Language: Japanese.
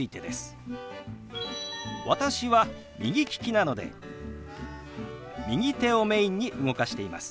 私は右利きなので右手をメインに動かしています。